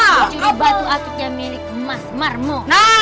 mencuri batu akutnya milik mas marmo